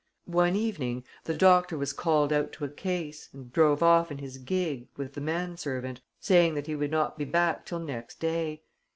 One evening the doctor was called out to a case and drove off in his gig with the man servant, saying that he would not be back till next day.